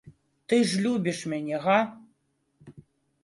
Ты ж любіш мяне, га?